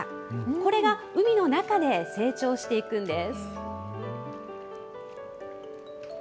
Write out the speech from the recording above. これが海の中で成長していくんです。